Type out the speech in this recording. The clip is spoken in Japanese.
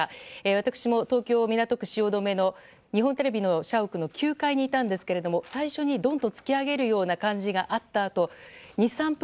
私も東京・港区汐留の日本テレビの社屋の９階にいたんですが最初にドンと突き上げるような感じがあったあと２３分